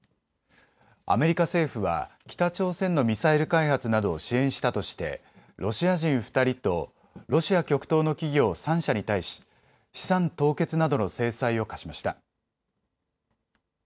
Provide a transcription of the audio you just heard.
アメリカ政府は北朝鮮のミサイル開発などを支援したとしてロシア人２人とロシア極東の企業３社に対し資産凍結などの制裁を科しました。